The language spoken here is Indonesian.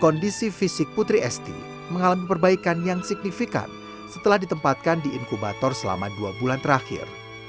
kondisi fisik putri esti mengalami perbaikan yang signifikan setelah ditempatkan di inkubator selama dua bulan terakhir